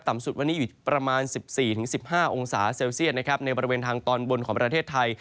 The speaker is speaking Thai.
สุดวันนี้อยู่ประมาณ๑๔๑๕องศาเซลเซียตนะครับในบริเวณทางตอนบนของประเทศไทย